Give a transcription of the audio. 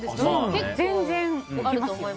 結構あると思います。